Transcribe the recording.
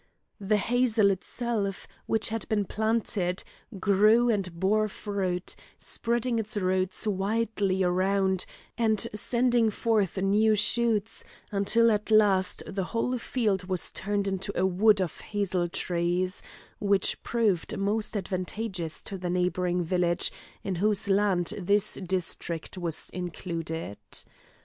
The hazel itself, which had been planted, grew and bore fruit, spreading its roots widely around, and sending forth new shoots until at last the whole field was turned into a wood of hazel trees, which proved most advantageous to the neighbouring village in whose land this district was included.